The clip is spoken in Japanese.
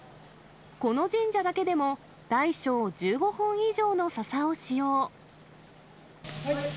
この神社だけでも、大小１５本以上の笹を使用。